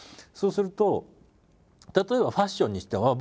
そうすると例えばファッションにしても。